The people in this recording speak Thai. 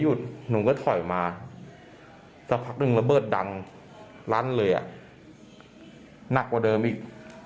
หนูก็ถอยมาสักพักหนึ่งระเบิดดังลั่นเลยอ่ะหนักกว่าเดิมอีก